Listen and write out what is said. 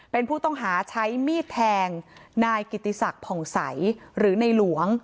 เป็นผู้ต้องหาใช้มีดแทงนายกิติศักดิ์ผ่องใสหรือในหลวง